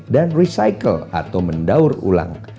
dan recycle atau mendaur ulang